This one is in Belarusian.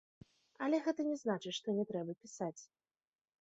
Але гэта не значыць, што не трэба пісаць.